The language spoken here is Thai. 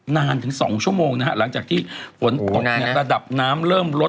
นานถึง๒ชั่วโมงนะฮะหลังจากที่ฝนตกเนี่ยระดับน้ำเริ่มลด